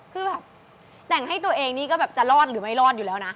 คือแบบแต่งให้ตัวเองนี่ก็แบบจะรอดหรือไม่รอดอยู่แล้วนะ